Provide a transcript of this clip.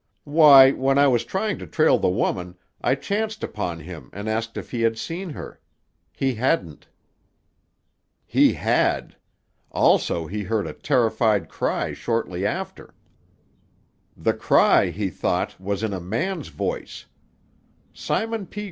Why, when I was trying to trail the woman, I chanced upon him and asked if he had seen her. He hadn't." "He had. Also he heard a terrified cry shortly after. The cry, he thought, was in a man's voice. Simon P.